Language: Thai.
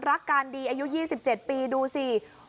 รักการดี๒๗ปี